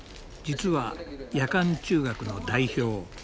実は夜間中学の代表